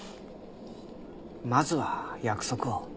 まずは約束を。